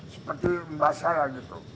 seperti mbak saya gitu